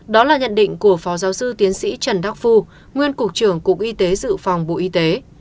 đó là nhận định của phó giáo sư tiến sĩ trần đắc phu nguyên cục trưởng cục y tế dự phòng bộ y tế